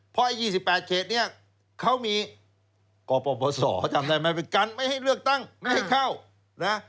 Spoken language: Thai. เพราะไอ้๒๘เขตเนี่ยเขามีกปศจำได้ไหมเป็นการไม่ให้เลือกตั้งไม่ให้เข้านะ